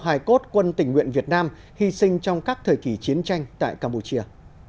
hải cốt quân tỉnh nguyện việt nam hy sinh trong các thời kỳ chiến tranh tại campuchia